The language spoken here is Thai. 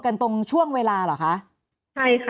แอนตาซินเยลโรคกระเพาะอาหารท้องอืดจุกเสียดแสบร้อน